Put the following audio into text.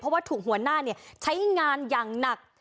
เพราะว่าถูกหัวหน้าใช้งานอย่างหนัก